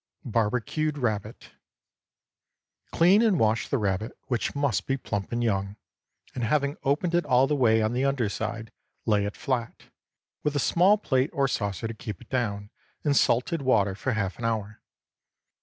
BARBECUED RABBIT. ✠ Clean and wash the rabbit, which must be plump and young, and having opened it all the way on the under side, lay it flat, with a small plate or saucer to keep it down, in salted water for half an hour.